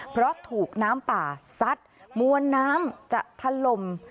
เพราะถูกน้ำป่าซัดมวลน้ำจะถล่ม